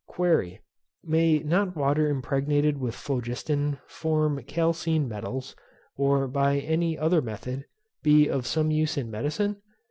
Query. May not water impregnated with phlogiston from calcined metals, or by any other method, be of some use in medicine?